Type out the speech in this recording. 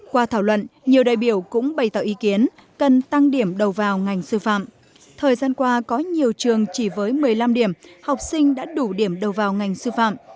qua thảo luận nhiều đại biểu cũng bày tạo ý kiến cần tăng điểm đầu vào ngành sư phạm thời gian qua có nhiều trường chỉ với một mươi năm điểm học sinh đã đủ điểm đầu vào ngành sư phạm